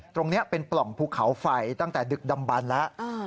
ตรงนี้เป็นปล่องภูเขาไฟตั้งแต่ดึกดำบันแล้ว